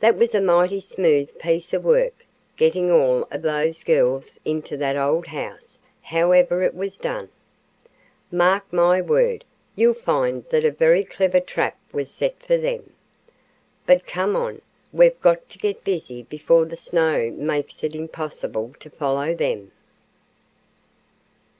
That was a mighty smooth piece of work, getting all of those girls into that old house, however it was done. Mark my word, you'll find that a very clever trap was set for them. But come on, we've got to get busy before the snow makes it impossible to follow them."